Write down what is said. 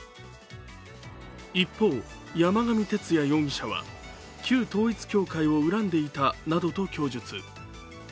一方、山上徹也容疑者は旧統一教会を恨んでいたなどと供述。